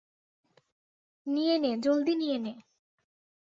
নিয়ে নে, জলদি নিয়ে নে!